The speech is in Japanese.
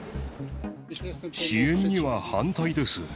支援には反対です。